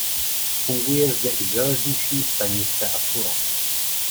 Funguje zde i železniční stanice Afula.